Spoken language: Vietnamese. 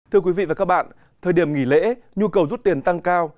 thưa quý vị và các bạn thời điểm nghỉ lễ nhu cầu rút tiền tăng cao